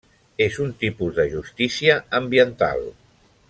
És un tipus de justícia ambiental.